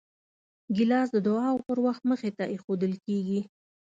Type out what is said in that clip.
ګیلاس د دعاو پر وخت مخې ته ایښودل کېږي.